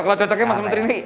kalau datanya mas menteri ini